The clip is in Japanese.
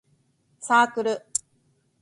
サークル